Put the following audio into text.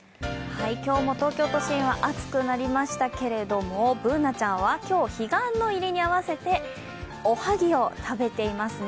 今日も東京都心は暑くなりましたけれどもＢｏｏｎａちゃんは今日、彼岸の入りに合わせておはぎを食べていますね。